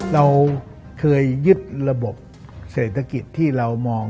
เราเคยยึดระบบเศรษฐกิจที่เรามอง